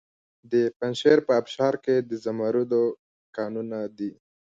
د پنجشیر په ابشار کې د زمرد کانونه دي.